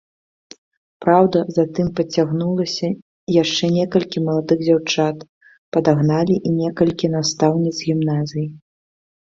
Праўда, затым падцягнулася яшчэ некалькі маладых дзяўчат, падагналі і некалькіх настаўніц гімназіі.